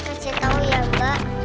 kasih tau ya mbak